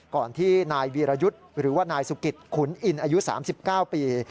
ก่อนที่นายวีรยุทธ์หรือว่านายสุกิตขุนอินอายุ๓๙ปี